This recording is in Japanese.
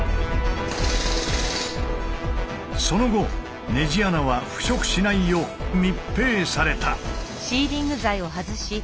その後ネジ穴は腐食しないよう密閉された。